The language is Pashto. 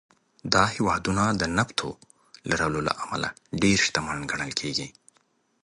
دا هېوادونه د نفتو لرلو له امله ډېر شتمن ګڼل کېږي.